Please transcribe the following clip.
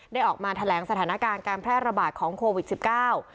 ออกมาแถลงสถานการณ์การแพร่ระบาดของโควิดสิบเก้า